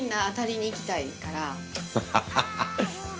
ハハハハ。